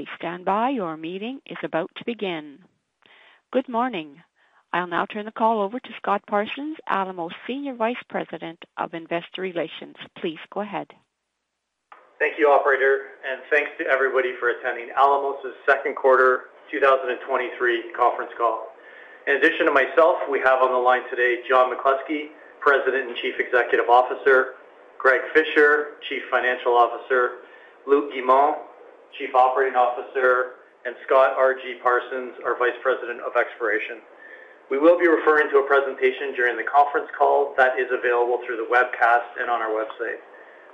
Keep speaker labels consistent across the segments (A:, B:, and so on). A: Please stand by. Your meeting is about to begin. Good morning! I'll now turn the call over to Scott Parsons, Alamos Senior Vice President of Investor Relations. Please go ahead.
B: Thank you, operator, thanks to everybody for attending Alamos Gold's 2Q 2023 conference call. In addition to myself, we have on the line today John McCluskey, President and Chief Executive Officer, Greg Fisher, Chief Financial Officer, Luc Guimond, Chief Operating Officer, and Scott R.G. Parsons, our Vice President of Exploration. We will be referring to a presentation during the conference call that is available through the webcast and on our website.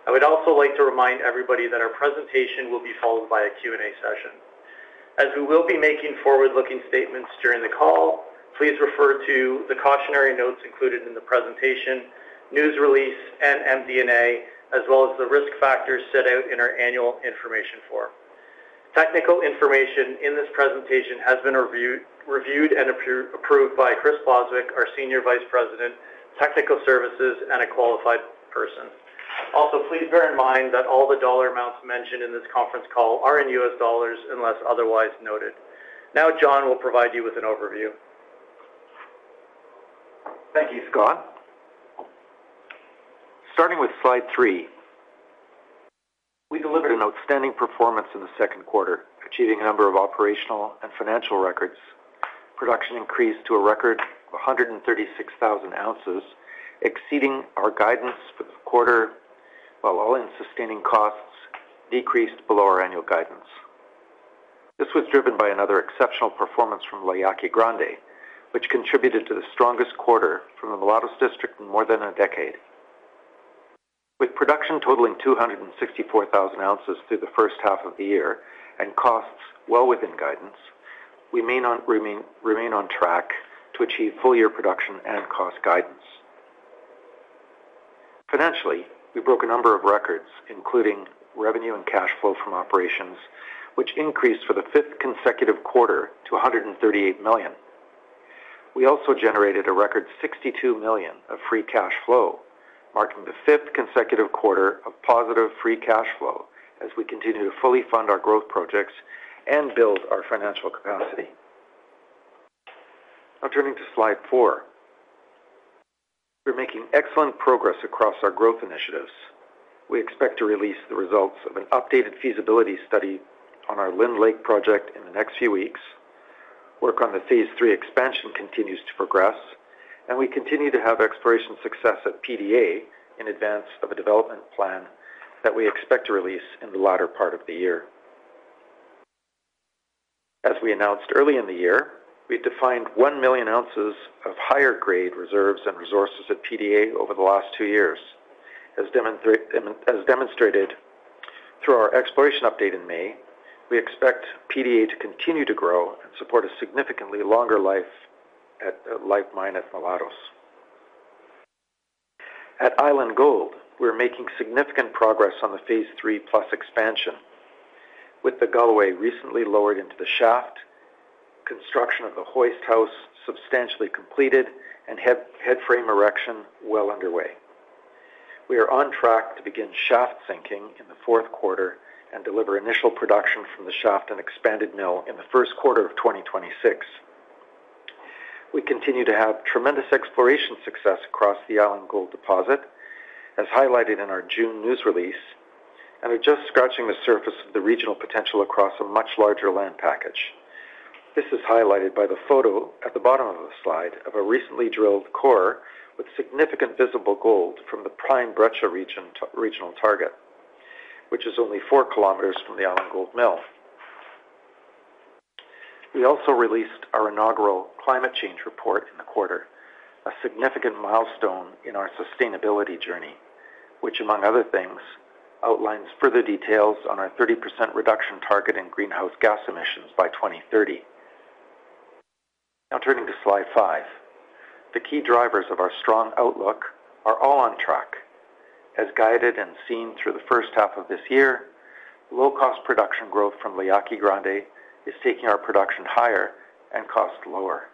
B: I would also like to remind everybody that our presentation will be followed by a Q&A session. We will be making forward-looking statements during the call, please refer to the cautionary notes included in the presentation, news release, and MD&A, as well as the risk factors set out in our annual information form. Technical information in this presentation has been reviewed and approved by Chris Bostwick, our Senior Vice President, Technical Services, and a qualified person. Please bear in mind that all the dollar amounts mentioned in this conference call are in U.S. dollars, unless otherwise noted. Now, John will provide you with an overview.
C: Thank you, Scott. Starting with Slide 3, we delivered an outstanding performance in the second quarter, achieving a number of operational and financial records. Production increased to a record of 136,000 ounces, exceeding our guidance for the quarter, while all-in sustaining costs decreased below our annual guidance. This was driven by another exceptional performance from La Yaqui Grande, which contributed to the strongest quarter from the Mulatos district in more than a decade. With production totaling 264,000 ounces through the first half of the year and costs well within guidance, we remain on track to achieve full year production and cost guidance. Financially, we broke a number of records, including revenue and cash flow from operations, which increased for the fifth consecutive quarter to $138 million. We also generated a record $62 million of free cash flow, marking the fifth consecutive quarter of positive free cash flow as we continue to fully fund our growth projects and build our financial capacity. Turning to Slide 4. We're making excellent progress across our growth initiatives. We expect to release the results of an updated feasibility study on our Lynn Lake project in the next few weeks. Work on the Phase 3+ Expansion continues to progress, and we continue to have exploration success at PDA in advance of a development plan that we expect to release in the latter part of the year. As we announced early in the year, we've defined 1 million ounces of higher grade reserves and resources at PDA over the last two years. As demonstrated through our exploration update in May, we expect PDA to continue to grow and support a significantly longer life at life mine at Mulatos. At Island Gold, we're making significant progress on the Phase 3+ Expansion, with the Galloway recently lowered into the shaft, construction of the hoist house substantially completed, and headframe erection well underway. We are on track to begin shaft sinking in the fourth quarter and deliver initial production from the shaft and expanded mill in the first quarter of 2026. We continue to have tremendous exploration success across the Island Gold deposit, as highlighted in our June news release, and are just scratching the surface of the regional potential across a much larger land package. This is highlighted by the photo at the bottom of the slide of a recently drilled core with significant visible gold from the Pine-Breccia regional target, which is only 4 kilometers from the Island Gold Mill. We also released our inaugural climate change report in the quarter, a significant milestone in our sustainability journey, which, among other things, outlines further details on our 30% reduction target in greenhouse gas emissions by 2030. Now, turning to Slide 5. The key drivers of our strong outlook are all on track. As guided and seen through the first half of this year, low-cost production growth from La Yaqui Grande is taking our production higher and cost lower.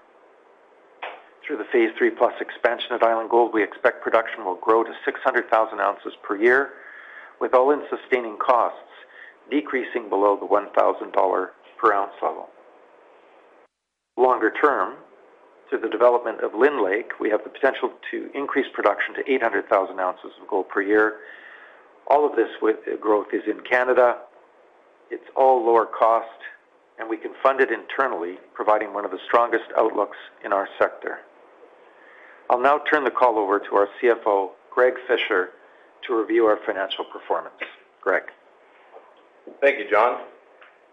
C: Through the Phase 3+ Expansion at Island Gold, we expect production will grow to 600,000 ounces per year, with all-in sustaining costs decreasing below the $1,000 per ounce level. Longer term, through the development of Lynn Lake, we have the potential to increase production to 800,000 ounces of gold per year. All of this with growth is in Canada. It's all lower cost, and we can fund it internally, providing one of the strongest outlooks in our sector. I'll now turn the call over to our CFO, Greg Fisher, to review our financial performance. Greg?
D: Thank you, John.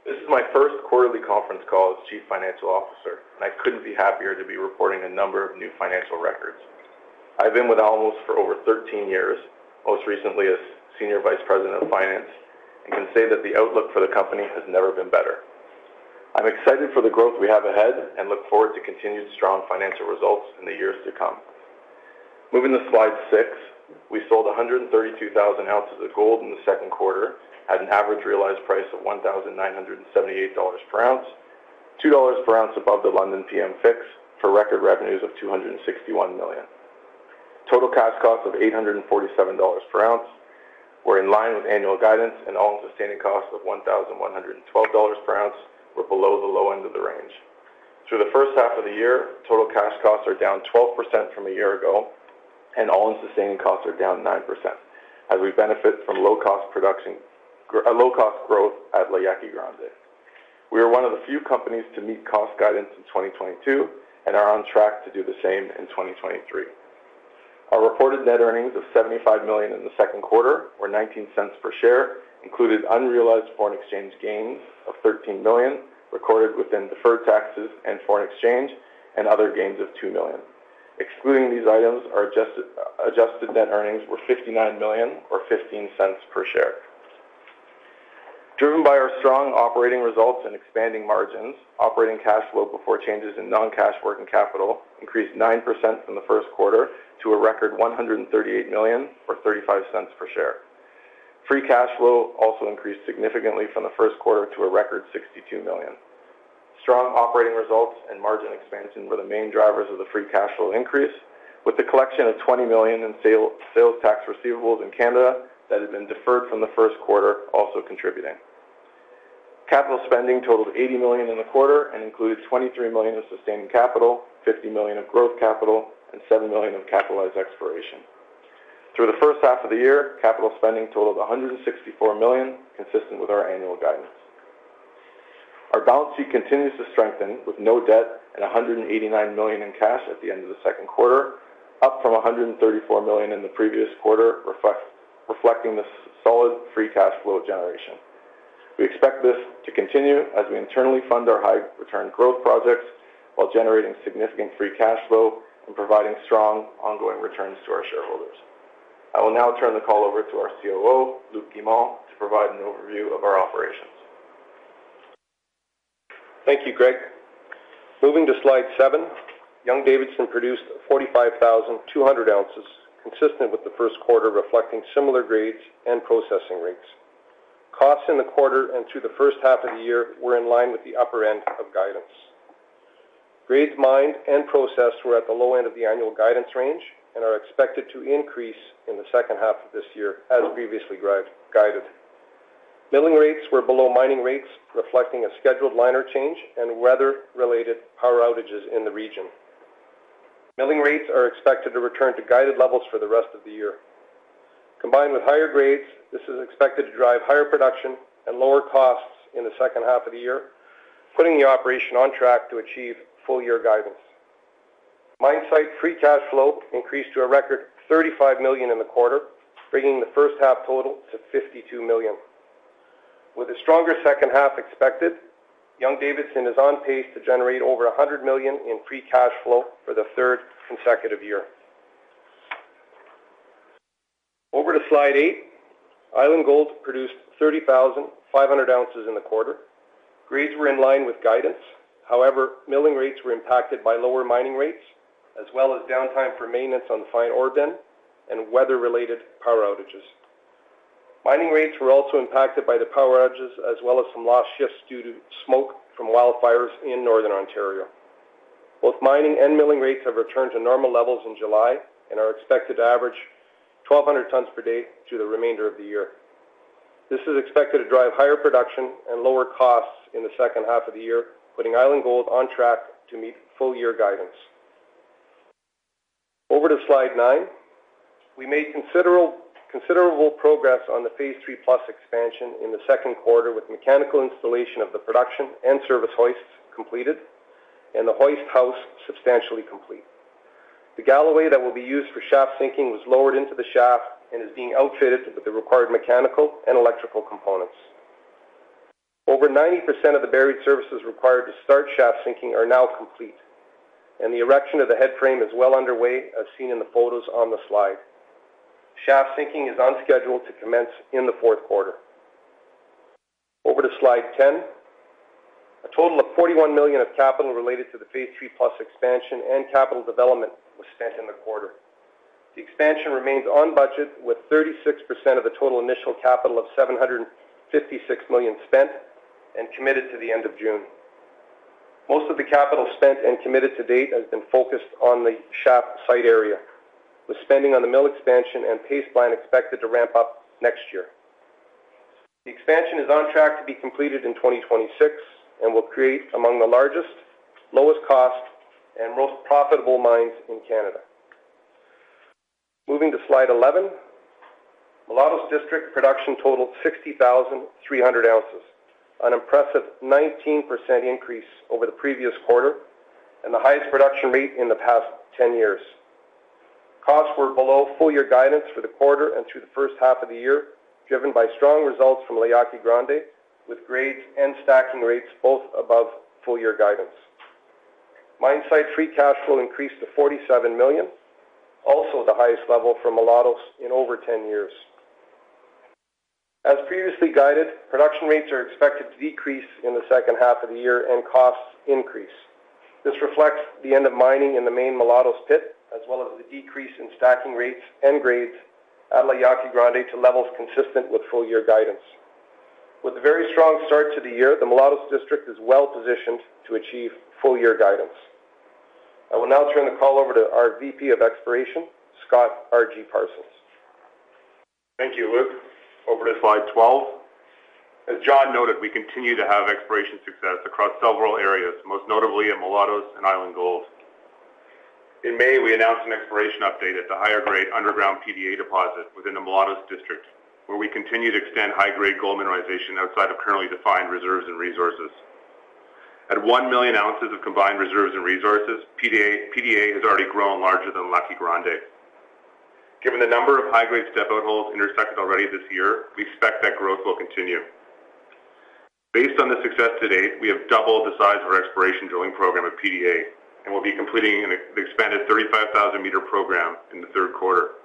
D: This is my first quarterly conference call as Chief Financial Officer, and I couldn't be happier to be reporting a number of new financial records. I've been with Alamos for over 13 years, most recently as Senior Vice President of Finance, and can say that the outlook for the company has never been better. I'm excited for the growth we have ahead and look forward to continued strong financial results in the years to come. Moving to Slide 6. We sold 132,000 ounces of gold in the second quarter at an average realized price of $1,978 per ounce, $2 per ounce above the London PM fix, for record revenues of $261 million. Total cash cost of $847 per ounce were in line with annual guidance, and All-in sustaining costs of $1,112 per ounce were below the low end of the range. Through the first half of the year, Total cash costs are down 12% from a year ago, and All-in sustaining costs are down 9%, as we benefit from low cost production, a low-cost growth at La Yaqui Grande. We are one of the few companies to meet cost guidance in 2022 and are on track to do the same in 2023. Our reported net earnings of $75 million in the second quarter were $0.19 per share, included unrealized foreign exchange gains of $13 million, recorded within deferred taxes and foreign exchange, and other gains of $2 million. Excluding these items, our adjusted net earnings were $59 million or $0.15 per share. Driven by our strong operating results and expanding margins, operating cash flow before changes in non-cash working capital increased 9% from the first quarter to a record $138 million or $0.35 per share. Free cash flow also increased significantly from the first quarter to a record $62 million. Strong operating results and margin expansion were the main drivers of the free cash flow increase, with the collection of $20 million in sales tax receivables in Canada that had been deferred from the first quarter, also contributing. Capital spending totaled $80 million in the quarter and included $23 million of sustained capital, $50 million of growth capital, and $7 million of capitalized exploration. Through the first half of the year, capital spending totaled $164 million, consistent with our annual guidance. Our balance sheet continues to strengthen, with no debt and $189 million in cash at the end of the second quarter, up from $134 million in the previous quarter, reflecting the solid free cash flow generation. We expect this to continue as we internally fund our high return growth projects while generating significant free cash flow and providing strong ongoing returns to our shareholders. I will now turn the call over to our COO, Luc Guimond, to provide an overview of our operations.
E: Thank you, Greg. Moving to Slide 7, Young-Davidson produced 45,200 ounces, consistent with the first quarter, reflecting similar grades and processing rates. Costs in the quarter and through the first half of the year were in line with the upper end of guidance. Grades mined and processed were at the low end of the annual guidance range and are expected to increase in the second half of this year as previously guided. Milling rates were below mining rates, reflecting a scheduled liner change and weather-related power outages in the region. Milling rates are expected to return to guided levels for the rest of the year. Combined with higher grades, this is expected to drive higher production and lower costs in the second half of the year, putting the operation on track to achieve full-year guidance. Mine site free cash flow increased to a record $35 million in the quarter, bringing the first half total to $52 million. With a stronger second half expected, Young-Davidson is on pace to generate over $100 million in free cash flow for the third consecutive year. Over to Slide 8, Island Gold produced 30,500 ounces in the quarter. Grades were in line with guidance. Milling rates were impacted by lower mining rates, as well as downtime for maintenance on the fine ore bin and weather-related power outages. Mining rates were also impacted by the power outages, as well as some lost shifts due to smoke from wildfires in Northern Ontario. Both mining and milling rates have returned to normal levels in July and are expected to average 1,200 tons per day through the remainder of the year. This is expected to drive higher production and lower costs in the second half of the year, putting Island Gold on track to meet full-year guidance. Over to Slide 9. We made considerable progress on the Phase 3+ Expansion in the second quarter, with mechanical installation of the production and service hoists completed and the hoist house substantially complete. The galloway that will be used for shaft sinking was lowered into the shaft and is being outfitted with the required mechanical and electrical components. Over 90% of the buried services required to start shaft sinking are now complete, and the erection of the headframe is well underway, as seen in the photos on the slide. Shaft sinking is on schedule to commence in the fourth quarter. Over to Slide 10. A total of $41 million of capital related to the Phase 3+ Expansion and capital development was spent in the quarter. The expansion remains on budget, with 36% of the total initial capital of $756 million spent and committed to the end of June. Most of the capital spent and committed to date has been focused on the shaft site area, with spending on the mill expansion and paste line expected to ramp up next year. The expansion is on track to be completed in 2026 and will create among the largest, lowest cost, and most profitable mines in Canada. Moving to Slide 11, Mulatos district production totaled 60,300 ounces, an impressive 19% increase over the previous quarter and the highest production rate in the past 10 years. Costs were below full-year guidance for the quarter and through the first half of the year, driven by strong results from La Yaqui Grande, with grades and stacking rates both above full-year guidance. Mine-site free cash flow increased to $47 million, also the highest level for Mulatos in over 10 years. As previously guided, production rates are expected to decrease in the second half of the year and costs increase. This reflects the end of mining in the main Mulatos pit, as well as the decrease in stacking rates and grades at La Yaqui Grande to levels consistent with full-year guidance. With a very strong start to the year, the Mulatos District is well positioned to achieve full year guidance. I will now turn the call over to our VP of Exploration, Scott R.G. Parsons.
F: Thank you, Luc. Over to Slide 12. As John noted, we continue to have exploration success across several areas, most notably at Mulatos and Island Gold. In May, we announced an exploration update at the higher grade underground PDA deposit within the Mulatos district, where we continue to extend high-grade gold mineralization outside of currently defined reserves and resources. At 1 million ounces of combined reserves and resources, PDA has already grown larger than La Yaqui Grande. Given the number of high-grade step-out holes intersected already this year, we expect that growth will continue. Based on the success to date, we have doubled the size of our exploration drilling program at PDA, and we'll be completing the expanded 35,000 meter program in the third quarter.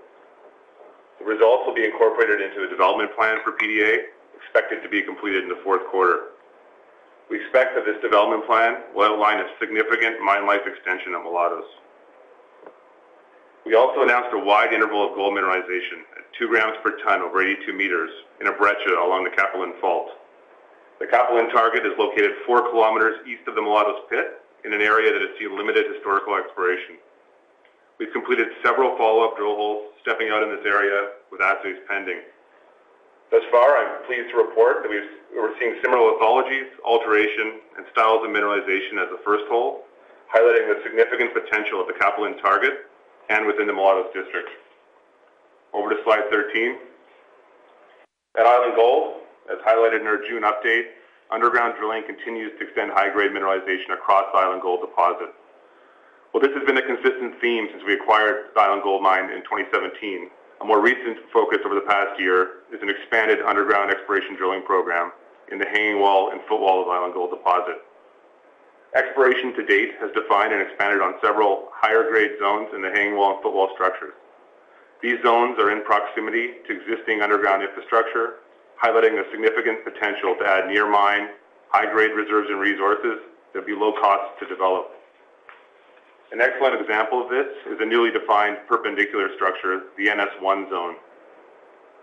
F: The results will be incorporated into the development plan for PDA, expected to be completed in the fourth quarter. We expect that this development plan will align a significant mine life extension at Mulatos. We also announced a wide interval of gold mineralization at 2 grams per ton over 82 meters in a breccia along the Capulin Fault. The Capulin target is located 4 kilometers east of the Mulatos pit, in an area that has seen limited historical exploration. We've completed several follow-up drill holes, stepping out in this area with assays pending. Thus far, I'm pleased to report that we're seeing similar pathologies, alteration, and styles of mineralization as the first hole, highlighting the significant potential of the Capulin target and within the Mulatos district. Over to Slide 13. At Island Gold, as highlighted in our June update, underground drilling continues to extend high-grade mineralization across Island Gold deposit. While this has been a consistent theme since we acquired Island Gold mine in 2017, a more recent focus over the past year is an expanded underground exploration drilling program in the hanging wall and footwall of Island Gold deposit. Exploration to date has defined and expanded on several higher grade zones in the hanging wall and footwall structures. These zones are in proximity to existing underground infrastructure, highlighting the significant potential to add near mine, high-grade reserves and resources that'd be low cost to develop. An excellent example of this is a newly defined perpendicular structure, the NS1 zone.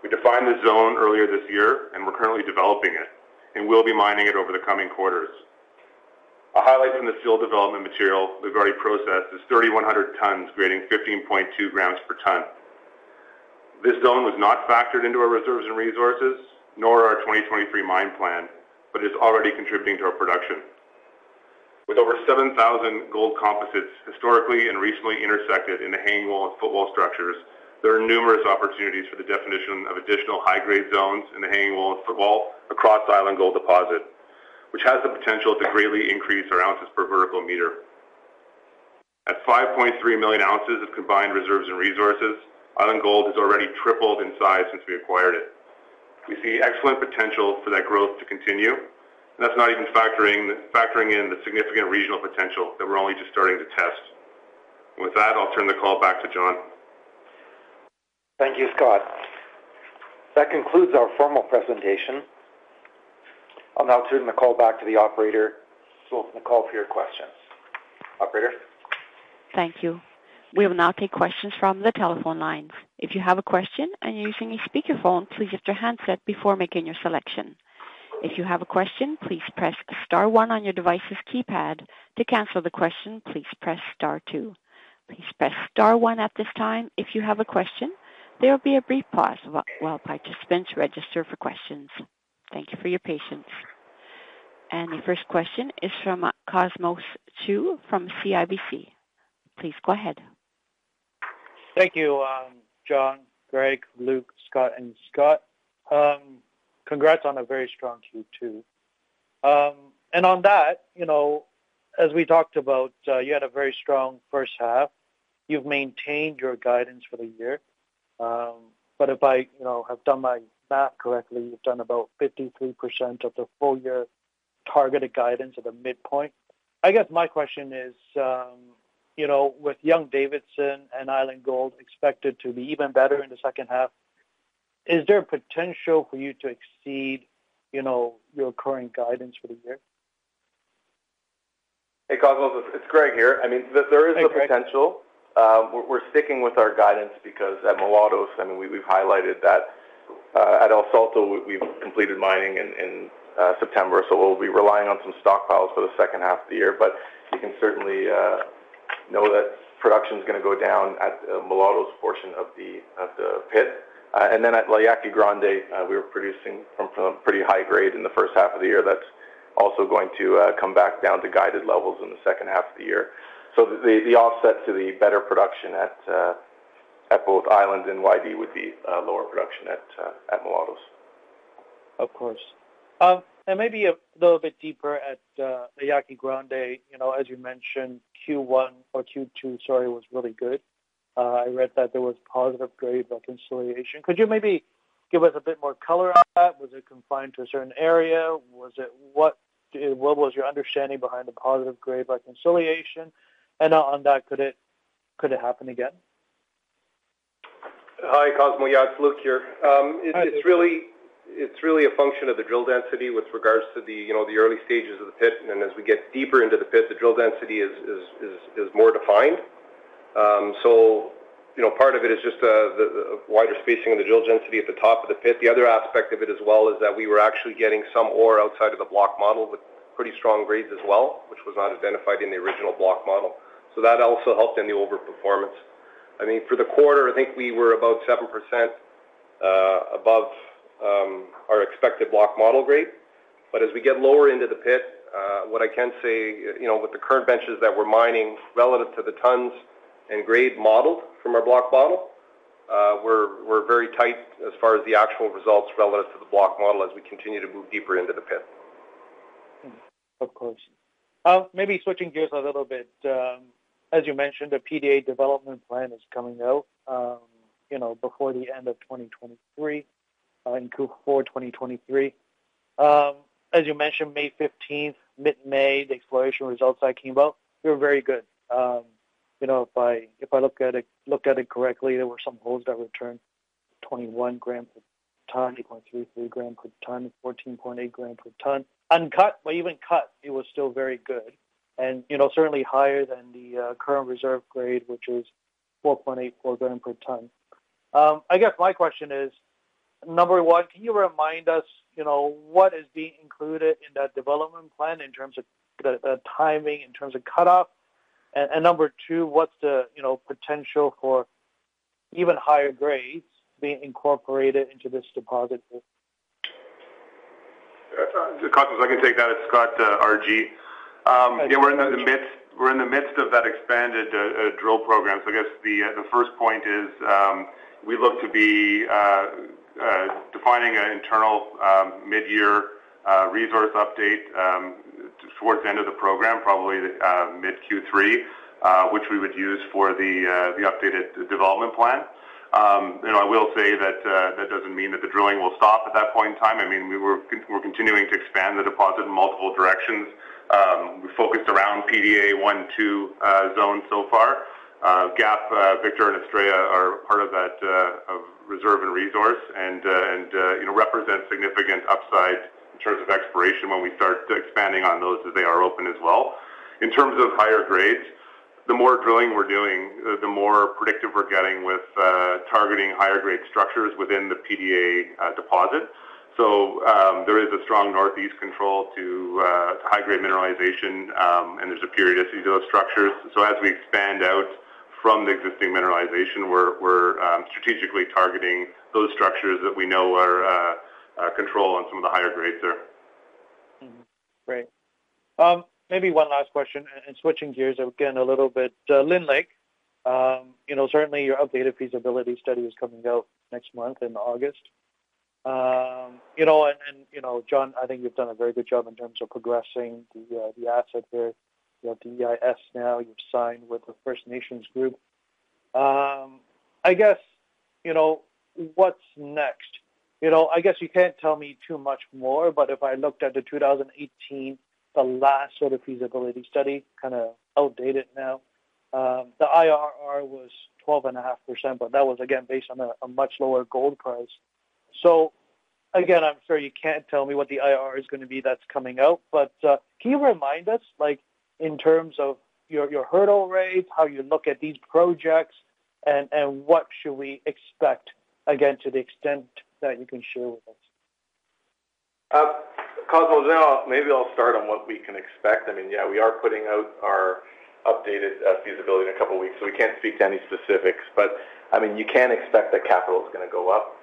F: We defined the zone earlier this year, and we're currently developing it, and we'll be mining it over the coming quarters. A highlight from the seal development material we've already processed is 3,100 tons, grading 15.2 grams per ton. This zone was not factored into our reserves and resources, nor our 2023 mine plan, but is already contributing to our production. With over 7,000 gold composites, historically and recently intersected in the hanging wall and footwall structures, there are numerous opportunities for the definition of additional high-grade zones in the hanging wall and footwall across Island Gold deposit, which has the potential to greatly increase our ounces per vertical meter. At 5.3 million ounces of combined reserves and resources, Island Gold has already tripled in size since we acquired it. We see excellent potential for that growth to continue, and that's not even factoring in the significant regional potential that we're only just starting to test. With that, I'll turn the call back to John.
C: Thank you, Scott. That concludes our formal presentation. I'll now turn the call back to the operator to open the call for your questions. Operator?
A: Thank you. We will now take questions from the telephone lines. If you have a question and you're using a speakerphone, please mute your handset before making your selection. If you have a question, please press star 1 on your device's keypad. To cancel the question, please press star 2. Please press star 1 at this time if you have a question. There will be a brief pause while participants register for questions. Thank you for your patience. The first question is from Cosmos Chiu from CIBC. Please go ahead.
G: Thank you, John, Greg, Luc, Scott, and Scott. Congrats on a very strong Q2. On that, you know, as we talked about, you had a very strong first half. You've maintained your guidance for the year, if I, you know, have done my math correctly, you've done about 53% of the full year targeted guidance at the midpoint. I guess my question is, you know, with Young-Davidson and Island Gold expected to be even better in the second half, is there a potential for you to exceed, you know, your current guidance for the year?
D: Hey, Cosmos, it's Greg here. I mean, there is a potential.
G: Hey, Greg.
D: We're sticking with our guidance because at Mulatos, I mean, we've highlighted that at El Salto, we've completed mining in September, so we'll be relying on some stockpiles for the second half of the year. you can certainly know that production is gonna go down at Mulatos portion of the pit. at La Yaqui Grande, we were producing from a pretty high grade in the first half of the year. That's also going to come back down to guided levels in the second half of the year. the offsets to the better production at both Island and YD would be lower production at Mulatos.
G: Of course. Maybe a little bit deeper at the Yaqui Grande. You know, as you mentioned, Q1 or Q2, sorry, was really good. I read that there was positive grade reconciliation. Could you maybe give us a bit more color on that? Was it confined to a certain area? What was your understanding behind the positive grade by reconciliation? On that, could it happen again?
E: Hi, Cosmos. Yeah, it's Luc here.
G: Hi.
E: It's really a function of the drill density with regards to the, you know, the early stages of the pit. As we get deeper into the pit, the drill density is more defined.... so, you know, part of it is just the wider spacing and the drill density at the top of the pit. The other aspect of it as well, is that we were actually getting some ore outside of the block model, with pretty strong grades as well, which was not identified in the original block model. That also helped in the overperformance. I mean, for the quarter, I think we were about 7% above our expected block model grade. As we get lower into the pit, what I can say, you know, with the current benches that we're mining, relative to the tons and grade modeled from our block model, we're very tight as far as the actual results relative to the block model, as we continue to move deeper into the pit.
G: Of course. Maybe switching gears a little bit. As you mentioned, the PDA development plan is coming out, you know, before the end of 2023, in Q4 2023. As you mentioned, May 15th, mid-May, the exploration results that came out were very good. You know, if I look at it correctly, there were some holes that returned 21 gram per ton, 0.33 gram per ton, and 14.8 gram per ton. Uncut, but even cut, it was still very good. You know, certainly higher than the current reserve grade, which is 4.84 gram per ton. I guess my question is, number 1, can you remind us, you know, what is being included in that development plan in terms of the timing, in terms of cutoff? number 2, what's the, you know, potential for even higher grades being incorporated into this deposit?
F: Cosmos, I can take that. It's Scott, R.G.
G: Thank you.
F: Yeah, we're in the midst of that expanded drill program. I guess the first point is, we look to be defining an internal mid-year resource update towards the end of the program, probably mid Q3, which we would use for the updated development plan. You know, I will say that that doesn't mean that the drilling will stop at that point in time. I mean, we're continuing to expand the deposit in multiple directions. We focused around PDA 1, 2 zone so far. Gap, Victor, and Estrella are part of that of reserve and resource, and you know, represent significant upside in terms of exploration when we start expanding on those, as they are open as well. In terms of higher grades, the more drilling we're doing, the more predictive we're getting with targeting higher grade structures within the PDA deposit. There is a strong northeast control to high-grade mineralization, and there's a periodicity to those structures. As we expand out from the existing mineralization, we're strategically targeting those structures that we know are controlled on some of the higher grades there.
G: Great. Maybe one last question, and switching gears again, a little bit. Lynn Lake, you know, certainly your updated feasibility study is coming out next month, in August. You know, and, you know, John, I think you've done a very good job in terms of progressing the asset there. You have EIS now, you've signed with the First Nations group. I guess, you know, what's next? You know, I guess you can't tell me too much more, but if I looked at the 2018, the last sort of feasibility study, kind of outdated now, the IRR was 12.5%, but that was again, based on a much lower gold price. Again, I'm sure you can't tell me what the IRR is gonna be that's coming out, but, can you remind us, like, in terms of your, your hurdle rates, how you look at these projects, and what should we expect, again, to the extent that you can share with us?
F: Cosmo, maybe I'll start on what we can expect. I mean, yeah, we are putting out our updated feasibility in a couple of weeks, so we can't speak to any specifics. I mean, you can expect that capital is gonna go up.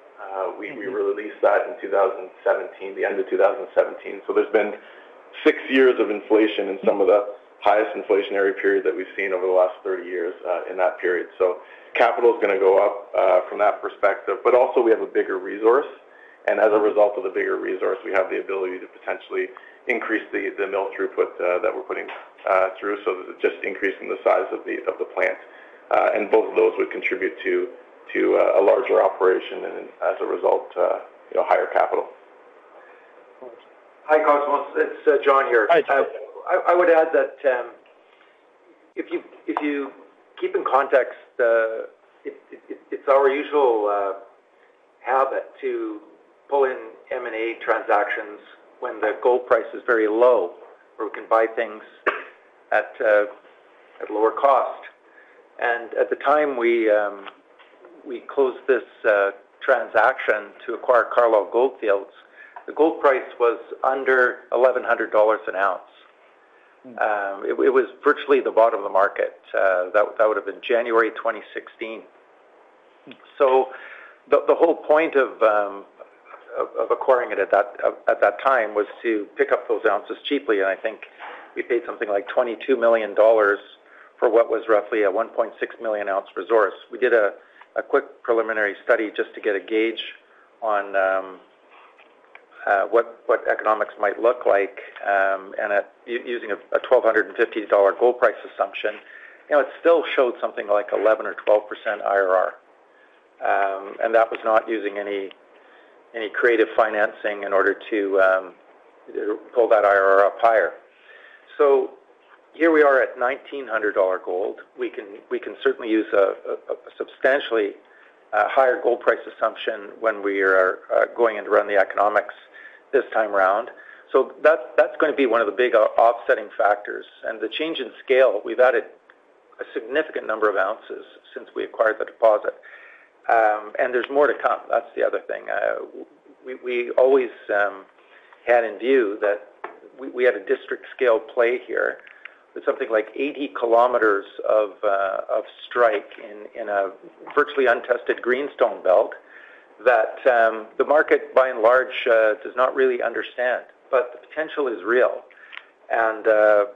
F: We released that in 2017, the end of 2017. There's been 6 years of inflation and some of the highest inflationary period that we've seen over the last 30 years in that period. Capital is gonna go up from that perspective. Also, we have a bigger resource, and as a result of the bigger resource, we have the ability to potentially increase the mill throughput that we're putting through. Just increasing the size of the plant, and both of those would contribute to a larger operation, and as a result, you know, higher capital.
C: Hi, Cosmos, it's John here.
G: Hi, John.
C: I would add that if you keep in context, it's our usual habit to pull in M&A transactions when the gold price is very low, where we can buy things at lower cost. At the time we closed this transaction to acquire Carlisle Goldfields, the gold price was under $1,100 an ounce. It was virtually the bottom of the market. That would have been January 2016. The whole point of acquiring it at that time, was to pick up those ounces cheaply. I think we paid something like $22 million for what was roughly a 1.6 million ounce resource. We did a quick preliminary study just to get a gauge on what economics might look like, and at using a $1,250 gold price assumption, you know, it still showed something like 11% or 12% IRR. That was not using any creative financing in order to pull that IRR up higher. Here we are at $1,900 gold. We can certainly use a higher gold price assumption when we are going in to run the economics this time around. That, that's going to be one of the big offsetting factors. The change in scale, we've added a significant number of ounces since we acquired the deposit. There's more to come, that's the other thing. We always had in view that we had a district-scale play here with something like 80 kilometers of strike in a virtually untested greenstone belt, that the market, by and large, does not really understand. The potential is real, and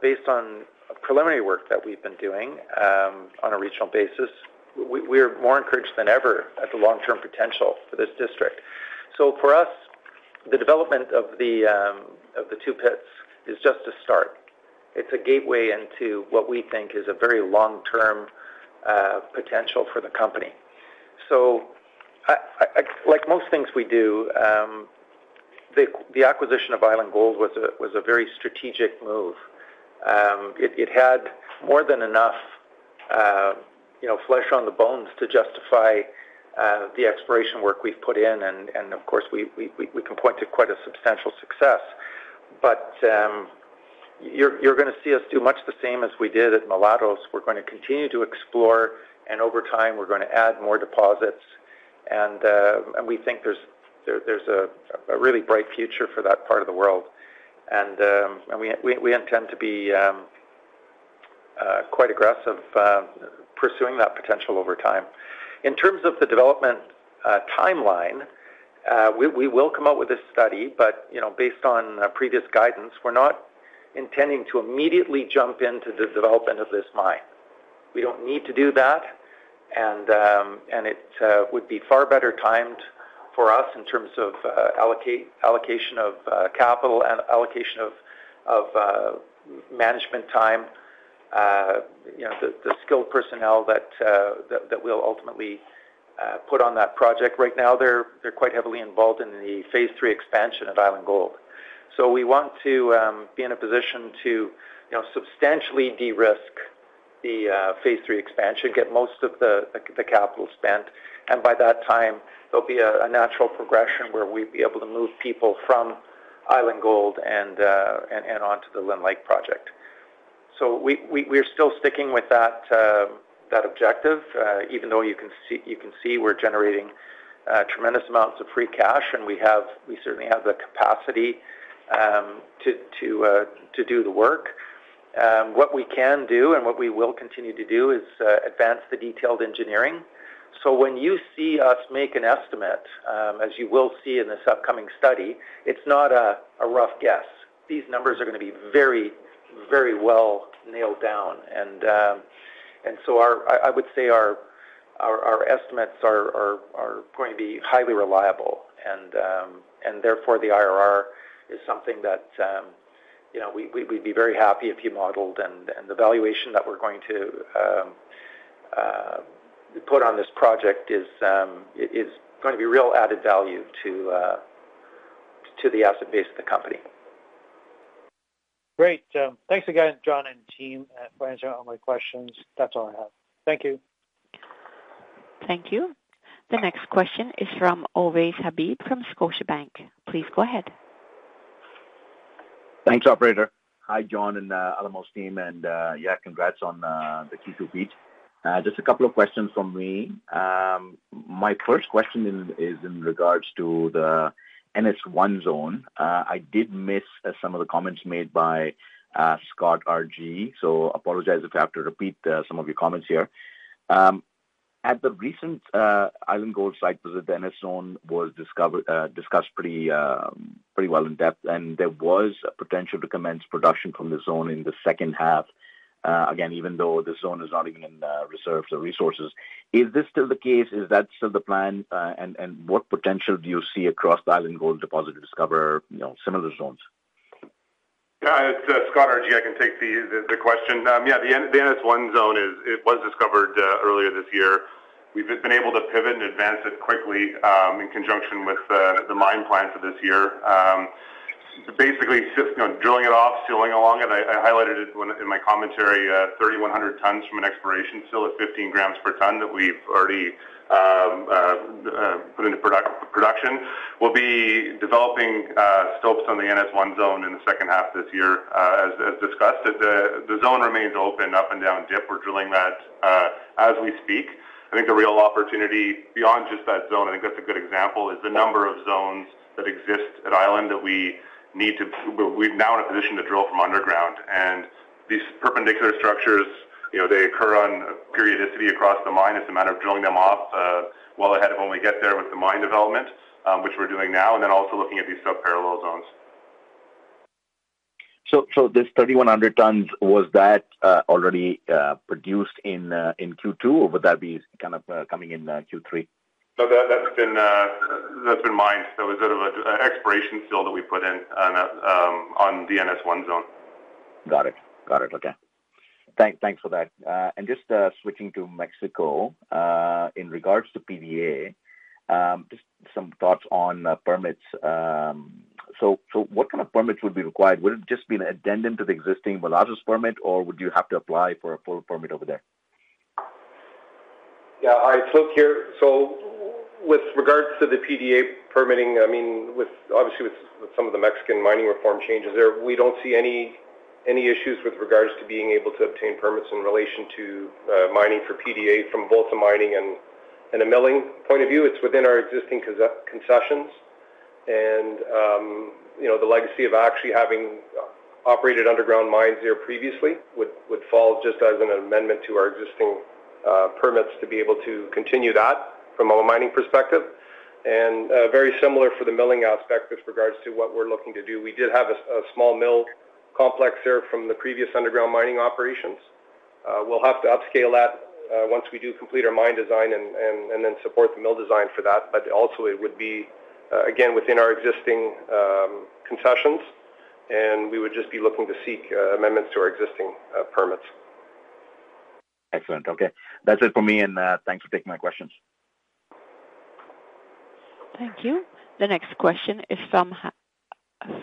C: based on preliminary work that we've been doing on a regional basis, we're more encouraged than ever at the long-term potential for this district. For us, the development of the two pits is just a start. It's a gateway into what we think is a very long-term potential for the company. I, like most things we do, the acquisition of Island Gold was a very strategic move. It had more than enough, you know, flesh on the bones to justify the exploration work we've put in, and of course, we can point to quite a substantial success. You're gonna see us do much the same as we did at Mulatos. We're gonna continue to explore, and over time, we're gonna add more deposits. We think there's a really bright future for that part of the world. We intend to be quite aggressive pursuing that potential over time. In terms of the development timeline, we will come out with a study, but, you know, based on previous guidance, we're not intending to immediately jump into the development of this mine. We don't need to do that, and it would be far better timed for us in terms of allocation of capital and allocation of management time. you know, the skilled personnel that we'll ultimately put on that project. Right now, they're quite heavily involved in the Phase 3 Expansion of Island Gold. We want to be in a position to, you know, substantially de-risk the Phase 3 Expansion, get most of the capital spent, and by that time, there'll be a natural progression where we'd be able to move people from Island Gold and onto the Lynn Lake project. We're still sticking with that objective, even though you can see we're generating tremendous amounts of free cash, and we certainly have the capacity to do the work. What we can do and what we will continue to do is advance the detailed engineering. When you see us make an estimate, as you will see in this upcoming study, it's not a rough guess. These numbers are gonna be very, very well nailed down. I would say our estimates are going to be highly reliable, and therefore, the IRR is something that, you know, we'd be very happy if you modeled. The valuation that we're going to put on this project is going to be real added value to the asset base of the company.
G: Great! thanks again, John and team, for answering all my questions. That's all I have. Thank you.
A: Thank you. The next question is from Ovais Habib, from Scotiabank. Please go ahead.
H: Thanks, operator. Hi, John and Alamos team, and yeah, congrats on the Q2 pitch. Just a couple of questions from me. My first question in, is in regards to the NS1 zone. I did miss some of the comments made by Scott R.G., so apologize if I have to repeat some of your comments here. At the recent Island Gold site visit, the NS zone was discovered, discussed pretty pretty well in depth, and there was a potential to commence production from the zone in the second half. Again, even though the zone is not even in the reserves or resources. Is this still the case? Is that still the plan? What potential do you see across the Island Gold Deposit to discover, you know, similar zones?
F: Yeah, it's Scott R.G.. I can take the question. Yeah, the NS1 zone is, it was discovered earlier this year. We've just been able to pivot and advance it quickly in conjunction with the mine plans for this year. Basically, just, you know, drilling it off, sealing along, and I highlighted it when, in my commentary, 3,100 tons from an exploration fill at 15 grams per ton that we've already put into production. We'll be developing scopes on the NS1 zone in the second half this year, as discussed. The zone remains open up and down dip. We're drilling that as we speak. I think the real opportunity beyond just that zone, I think that's a good example, is the number of zones that exist at Island that we need to. We're now in a position to drill from underground. These perpendicular structures, you know, they occur on a periodicity across the mine. It's a matter of drilling them off, well ahead of when we get there with the mine development, which we're doing now, and then also looking at these subparallel zones.
H: This 3,100 tons, was that already produced in Q2, or would that be kind of coming in Q3?
F: No, that's been mined. It's sort of an exploration fill that we put in on the NS1 zone.
H: Got it. Okay. Thanks for that. Just switching to Mexico, in regards to PDA, some thoughts on permits. So what kind of permits would be required? Would it just be an addendum to the existing Velas permit, or would you have to apply for a full permit over there?
E: Yeah, I, Luc here. With regards to the PDA permitting, I mean, with, obviously, with some of the Mexican mining reform changes there, we don't see any issues with regards to being able to obtain permits in relation to mining for PDA from both the mining and a milling point of view. It's within our existing concessions and, you know, the legacy of actually having operated underground mines there previously, would fall just as an amendment to our existing permits to be able to continue that from a mining perspective. Very similar for the milling aspect with regards to what we're looking to do. We did have a small mill complex there from the previous underground mining operations. We'll have to upscale that once we do complete our mine design and then support the mill design for that. Also, it would be again, within our existing concessions, and we would just be looking to seek amendments to our existing permits.
H: Excellent. Okay, that's it for me, and, thanks for taking my questions.
A: Thank you. The next question is from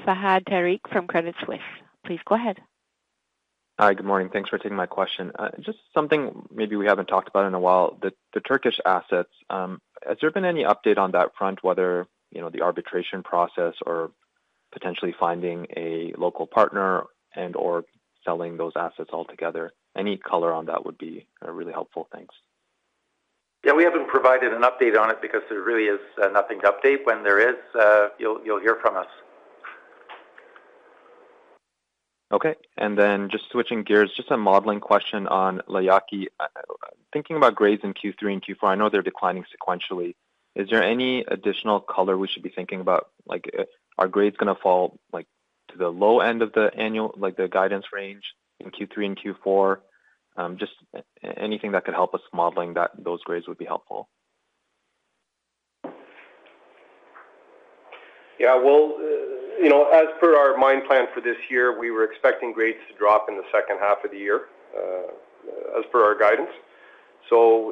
A: Fahad Tariq, from Credit Suisse. Please go ahead.
I: Hi, good morning. Thanks for taking my question. Just something maybe we haven't talked about in a while, the Turkish assets, has there been any update on that front, whether, you know, the arbitration process or potentially finding a local partner and/or selling those assets altogether? Any color on that would be really helpful. Thanks.
E: Yeah, we haven't provided an update on it because there really is nothing to update. When there is, you'll hear from us.
I: Okay. Then just switching gears, just a modeling question on La Yaqui. Thinking about grades in Q3 and Q4, I know they're declining sequentially. Is there any additional color we should be thinking about? Like, if, are grades going to fall, like, to the low end of the annual, like, the guidance range in Q3 and Q4? Just anything that could help us modeling that, those grades would be helpful.
E: Yeah, well, you know, as per our mine plan for this year, we were expecting grades to drop in the second half of the year, as per our guidance.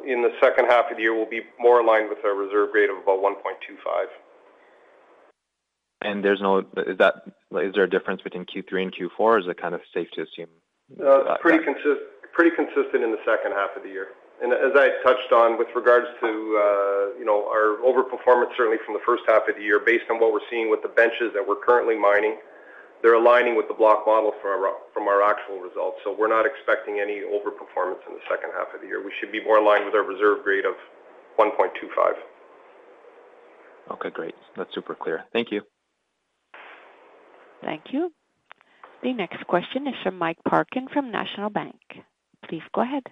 E: In the second half of the year, we'll be more aligned with our reserve grade of about 1.25.
I: Is there a difference between Q3 and Q4, or is it kind of safe to assume?
E: Pretty consistent in the second half of the year. As I touched on with regards to, you know, our overperformance, certainly from the first half of the year, based on what we're seeing with the benches that we're currently mining, they're aligning with the block model from our, from our actual results. We're not expecting any overperformance in the second half of the year. We should be more aligned with our reserve grade of 1.25.
I: Okay, great. That's super clear. Thank you.
A: Thank you. The next question is from Mike Parkin, from National Bank. Please go ahead.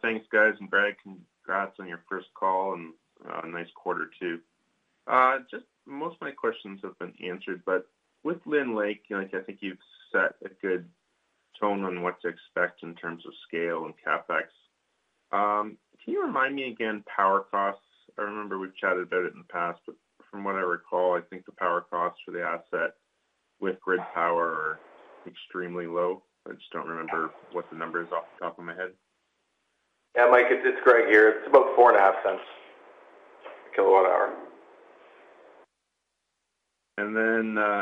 J: Thanks, guys, and Brad, congrats on your first call and nice quarter, too. Just most of my questions have been answered, but with Lynn Lake, you know, I think you've set a good tone on what to expect in terms of scale and CapEx. Can you remind me again, power costs? I remember we've chatted about it in the past, but from what I recall, I think the power costs for the asset with grid power are extremely low. I just don't remember what the number is off the top of my head.
D: Yeah, Mike, it's just right here. It's about four and a half cents kWh.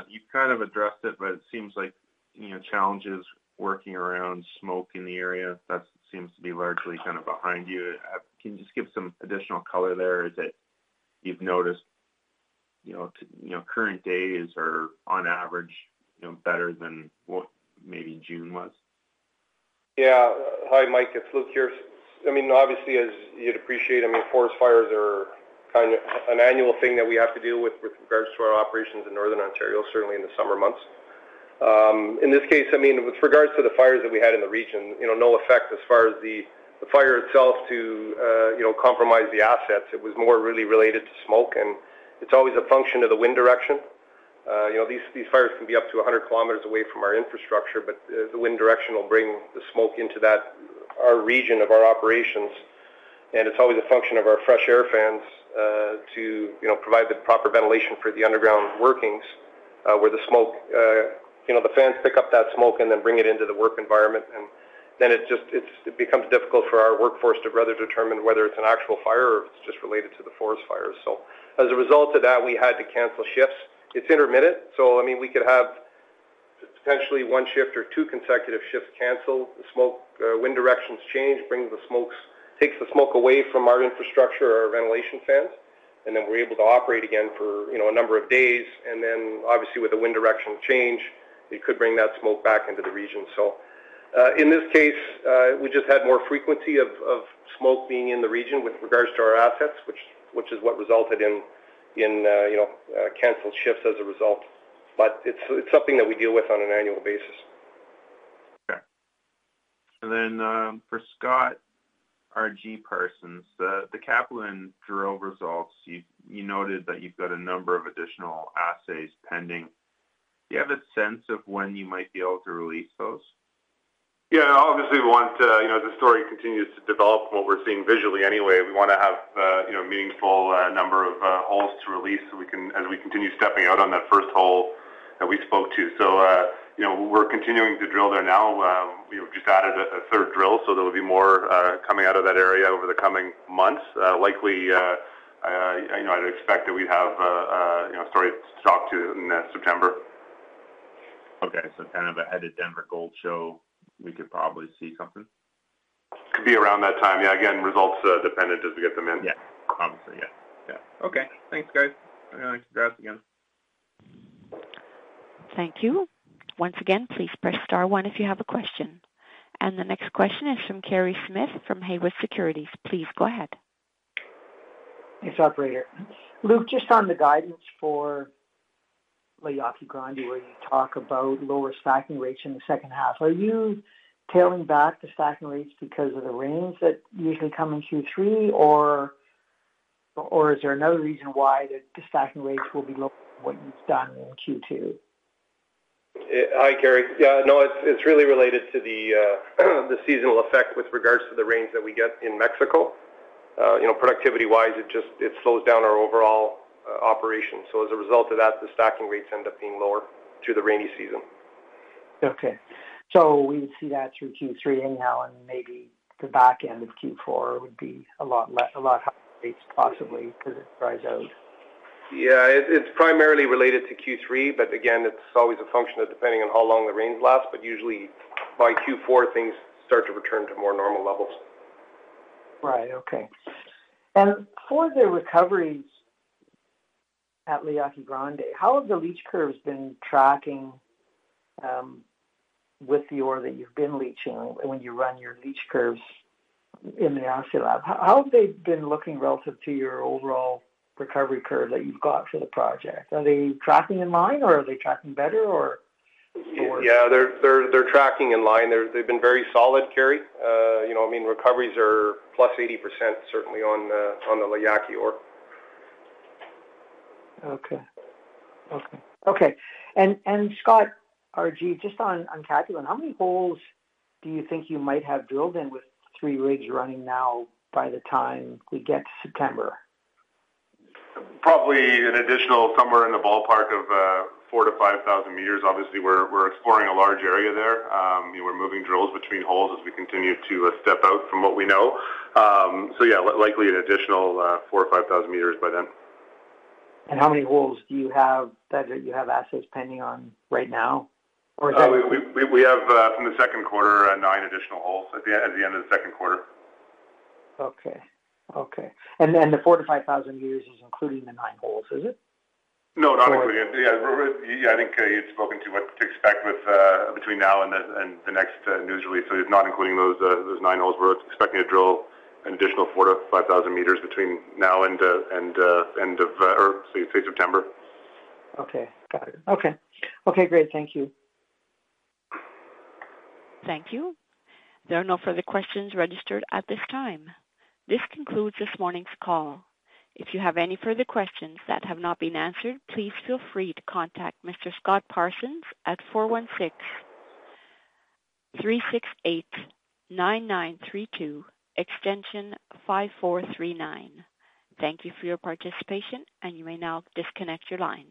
J: You've kind of addressed it, but it seems like, you know, challenges working around smoke in the area, that seems to be largely kind of behind you. Can you just give some additional color there, is that you've noticed, you know, to, you know, current days are on average, you know, better than what maybe June was?
E: Yeah. Hi, Mike, it's Luc here. I mean, obviously, as you'd appreciate, I mean, forest fires are kind of an annual thing that we have to deal with, with regards to our operations in Northern Ontario, certainly in the summer months. In this case, I mean, with regards to the fires that we had in the region, you know, no effect as far as the fire itself to, you know, compromise the assets. It was more really related to smoke, and it's always a function of the wind direction. You know, these fires can be up to 100 kilometers away from our infrastructure, but the wind direction will bring the smoke into that, our region of our operations. It's always a function of our fresh air fans, to, you know, provide the proper ventilation for the underground workings, where the smoke. You know, the fans pick up that smoke and then bring it into the work environment, and then it becomes difficult for our workforce to rather determine whether it's an actual fire or if it's just related to the forest fires. As a result of that, we had to cancel shifts. It's intermittent, so, I mean, we could have potentially 1 shift or 2 consecutive shifts canceled. The smoke, wind directions change, brings the smokes, takes the smoke away from our infrastructure or our ventilation fans, and then we're able to operate again for, you know, a number of days. Obviously, with the wind direction change, it could bring that smoke back into the region. In this case, we just had more frequency of smoke being in the region with regards to our assets, which is what resulted in, you know, canceled shifts as a result. It's something that we deal with on an annual basis.
J: Okay. For Scott R.G. Parsons, the Capulin drill results, you noted that you've got a number of additional assays pending. Do you have a sense of when you might be able to release those?
F: Yeah, obviously, we want to, you know, the story continues to develop what we're seeing visually anyway. We want to have, you know, meaningful number of holes to release, so we can as we continue stepping out on that first hole that we spoke to. You know, we're continuing to drill there now. We've just added a third drill, so there will be more coming out of that area over the coming months. Likely, I know I'd expect that we have a, you know, story to talk to in September.
I: Okay. kind of ahead of Denver Gold Forum, we could probably see something?
F: Could be around that time. Yeah, again, results dependent as we get them in.
J: Yes, obviously, yeah. Okay. Thanks, guys. I'm gonna grab it again.
A: Thank you. Once again, please press star one if you have a question. The next question is from Kerry Smith, from Haywood Securities. Please go ahead.
K: Thanks, operator. Luc, just on the guidance for La Yaqui Grande, where you talk about lower stacking rates in the second half, are you tailing back the stacking rates because of the rains that usually come in Q3, or is there another reason why the stacking rates will be lower than what you've done in Q2?
E: Hi, Kerry. Yeah, no, it's, it's really related to the seasonal effect with regards to the rains that we get in Mexico. You know, productivity-wise, it just, it slows down our overall operation. As a result of that, the stacking rates end up being lower through the rainy season.
K: Okay. We would see that through Q3 and now, and maybe the back end of Q4 would be a lot higher rates, possibly, to rise out?
F: Yeah, it's primarily related to Q3, but again, it's always a function of depending on how long the rains last, but usually by Q4, things start to return to more normal levels.
K: Right. Okay. For the recoveries at La Yaqui Grande, how have the leach curves been tracking, with the ore that you've been leaching when you run your leach curves in the assay lab? How have they been looking relative to your overall recovery curve that you've got for the project? Are they tracking in line, or are they tracking better, or more?
F: Yeah, they're tracking in line. They've been very solid, Kerry. You know, I mean, recoveries are plus 80%, certainly on the La Yaqui ore.
K: Okay. Okay. Okay, and Scott R.G., just on Capulin, how many holes do you think you might have drilled in with three rigs running now by the time we get to September?
F: Probably an additional somewhere in the ballpark of 4,000-5,000 meters. Obviously, we're exploring a large area there. We're moving drills between holes as we continue to step out from what we know. Yeah, likely an additional 4,000 or 5,000 meters by then.
K: How many holes do you have that you have assets pending on right now?
F: We have from the second quarter, 9 additional holes at the end of the second quarter.
K: Okay. Okay. Then the 4,000-5,000 meters is including the 9 holes, is it?
F: No, not including. Yeah, yeah, I think, Kerry, you'd spoken to what to expect with, between now and the next news release. It's not including those, those 9 holes where it's expecting to drill an additional 4,000-5,000 meters between now and end of say September.
K: Okay. Got it. Okay. Okay, great. Thank you.
A: Thank you. There are no further questions registered at this time. This concludes this morning's call. If you have any further questions that have not been answered, please feel free to contact Mr. Scott Parsons at 416-368-9932, extension 5439. Thank you for your participation. You may now disconnect your lines.